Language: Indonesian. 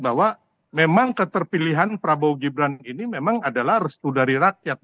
bahwa memang keterpilihan prabowo gibran ini memang adalah restu dari rakyat